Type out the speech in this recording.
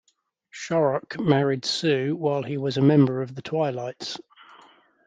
Shorrock married Sue while he was a member of the Twilights.